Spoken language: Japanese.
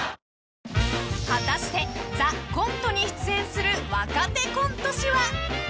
［果たして『ＴＨＥＣＯＮＴＥ』に出演する若手コント師は？］